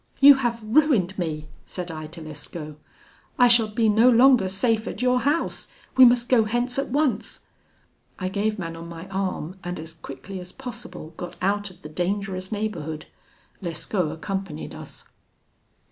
'You have ruined me,' said I to Lescaut; 'I shall be no longer safe at your house; we must go hence at once.' I gave Manon my arm, and as quickly as possible got out of the dangerous neighbourhood. Lescaut accompanied us."